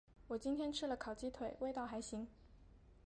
我今天吃了烤鸡腿，味道还行。